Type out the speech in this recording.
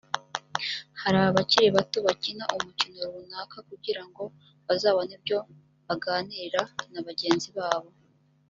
hari abakiri bato bakina umukino runaka kugira ngo bazabone ibyo baganira na bagenzi babo